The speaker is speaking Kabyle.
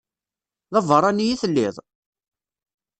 D abeṛṛani i telliḍ?